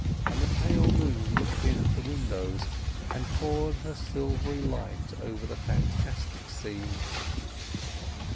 And the pale moon looked in at the windows, and poured her silvery light over the fantastic scene.